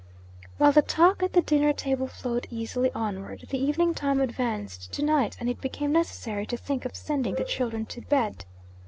While the talk at the dinner table flowed easily onward, the evening time advanced to night and it became necessary to think of sending the children to bed.